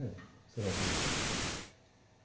それはそれで。